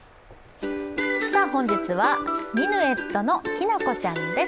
本日はミヌエットのきなこちゃんです。